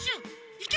いけ！